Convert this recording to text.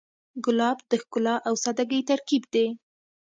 ګلاب د ښکلا او سادګۍ ترکیب دی.